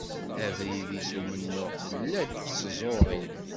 Abrid-is n umennuɣ tella-d s tẓuri.